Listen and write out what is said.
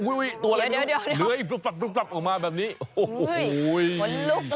อุ๊ยตัวอะไรเลื้อยปลั๊บออกมาแบบนี้โอ้โฮ้ยเดี๋ยว